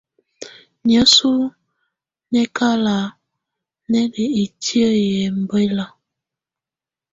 Niǝ́suǝ́ nɛ́kalá nɛ́ lɛ ǝ́tiǝ́ yɛ́ ɔmbɛla.